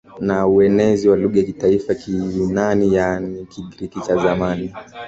na uenezi wa lugha ya kimataifa Kiyunani yaani Kigiriki cha zamani